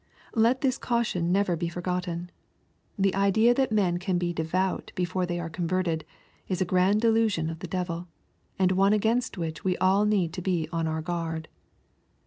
Let this caution never be forgotten. The idea that men can be devout before they are converted, is a grand delusion of the devil, and one against which we all need to be on our guard.